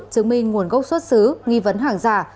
chứng minh nguồn gốc xuất xứ nghi vấn hàng giả